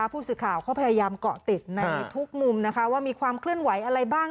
ผู้สื่อข่าวก็พยายามเกาะติดในทุกมุมนะคะว่ามีความเคลื่อนไหวอะไรบ้าง